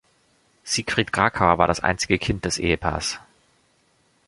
Siegfried Kracauer war das einzige Kind des Ehepaars.